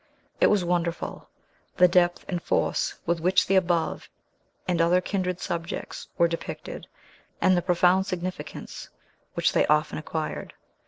It was wonderful, the depth and force with which the above, and other kindred subjects, were depicted, and the profound significance which they often acquired.